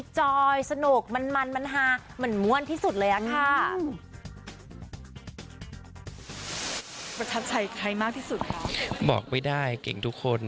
จริง